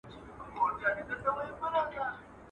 o تر مور او پلار خوږې، را کښېنه که وريجي خورې.